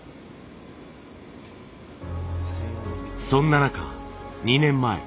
そんな中２年前